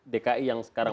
dki yang sekarang